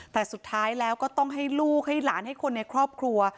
แต่สุดท้ายแล้วก็ต้องให้ลูกให้หลานให้คนในครอบครัว